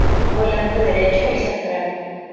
Volante derecho y central.